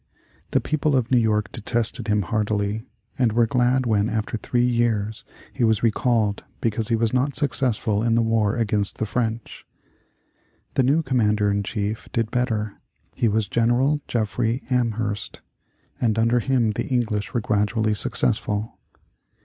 The people of New York detested him heartily, and were glad when after three years he was recalled because he was not successful in the war against the French. The new commander in chief did better. He was General Jeffrey Amherst, and under him the English were gradually successful.